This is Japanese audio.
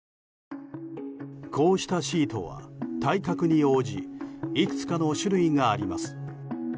こうしたシートは体格に応じいくつかの種類があります。